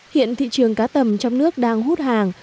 hiện thị trường cá tầm trong nước đang hút hàng